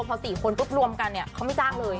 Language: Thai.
พอสี่คนรวมกันเขาไม่จ้างเลย